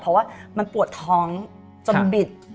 เพราะว่ามันปวดท้องจนบิด